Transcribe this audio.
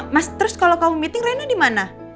mas terus kalau kamu meeting rena dimana